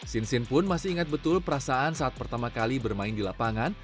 sinsin pun masih ingat betul perasaan saat pertama kali bermain di lapangan